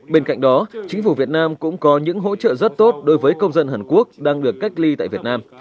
bên cạnh đó chính phủ việt nam cũng có những hỗ trợ rất tốt đối với công dân hàn quốc đang được cách ly tại việt nam